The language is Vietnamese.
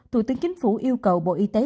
thủ tướng chính phủ yêu cầu bộ y tế